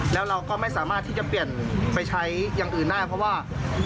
แล้วเราก็ไม่สามารถที่จะเปลี่ยนไปใช้อย่างอื่นได้เพราะว่า